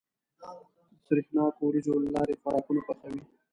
د سرېښناکو وريجو له لارې خوراکونه پخوي.